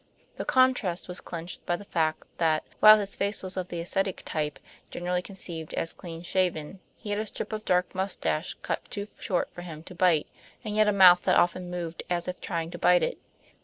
The contrast was clinched by the fact that, while his face was of the ascetic type generally conceived as clean shaven, he had a strip of dark mustache cut too short for him to bite, and yet a mouth that often moved as if trying to bite it.